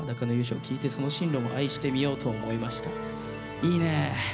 いいね。